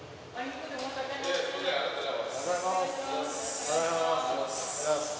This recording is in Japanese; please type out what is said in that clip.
おはようございます。